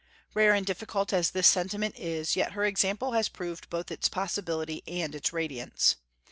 Rare and difficult as this sentiment is, yet her example has proved both its possibility and its radiance.